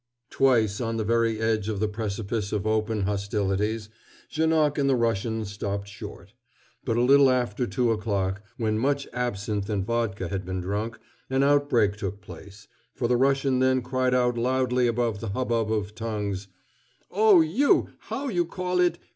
Twice, on the very edge of the precipice of open hostilities, Janoc and the Russian stopped short; but a little after two o'clock, when much absinthe and vodka had been drunk, an outbreak took place: for the Russian then cried out loudly above the hubbub of tongues: "Oh, you how you call it?